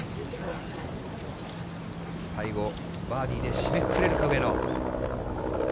最後、バーディーで締めくくれるか、上野。